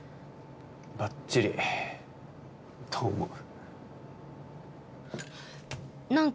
バッチリと思う